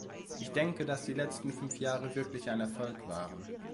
Ich denke, dass die letzten fünf Jahre wirklich ein Erfolg waren.